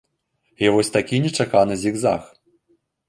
І вось такі нечаканы зігзаг.